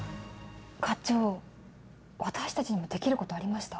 課長私たちにもできることありました。